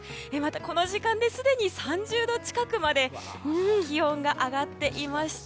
この時間ですでに３０度近くまで気温が上がっています。